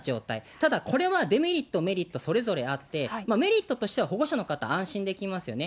ただ、これはデメリット、メリットそれぞれあって、メリットとしては保護者の方、安心できますよね。